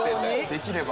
できれば。